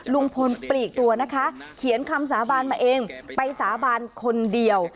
ลุงพลปลีกตัวนะคะเขียนคำสาบานมาเองไปสาบานคนเดียว